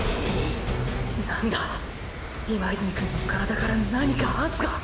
何だ今泉くんの体から何か圧が！！